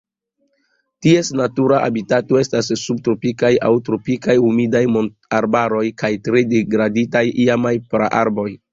Ties natura habitato estas subtropikaj aŭ tropikaj humidaj montararbaroj kaj tre degraditaj iamaj praarbaroj.